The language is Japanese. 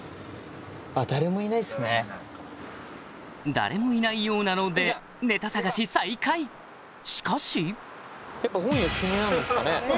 誰もいないようなのでネタ探し再開しかしやっぱ本屋気になるんですかね。